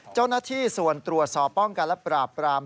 เจ้าหน้าที่ส่วนตรวจสอบป้องกันและปราบปราม